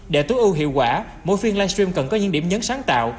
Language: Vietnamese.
để tối ưu hiệu quả mỗi phiên live stream cần có những điểm nhấn sáng tạo